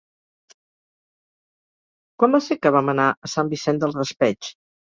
Quan va ser que vam anar a Sant Vicent del Raspeig?